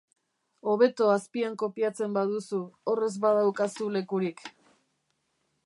Hobeto azpian kopiatzen baduzu, hor ez badaukazu lekurik.